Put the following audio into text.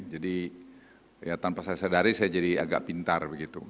jadi ya tanpa saya sadari saya jadi agak pintar begitu